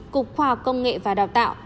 cục khoa công nghệ và đào tạo